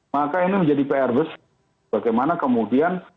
maka ini menjadi prb bagaimana kemudian